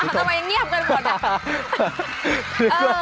ทำไมยังเงียบกันหมดอะ